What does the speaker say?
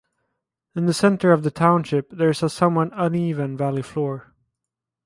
In the center of the township, there is a somewhat uneven valley floor.